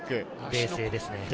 冷静ですね。